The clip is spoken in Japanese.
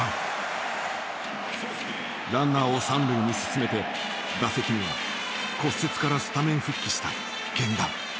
ランナーを三塁に進めて打席には骨折からスタメン復帰した源田。